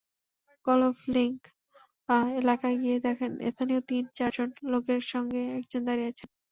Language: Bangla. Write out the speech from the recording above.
গলফ লিংক এলাকায় গিয়ে দেখেন, স্থানীয় তিন-চারজন লোকের সঙ্গে একজন দাঁড়িয়ে আছেন।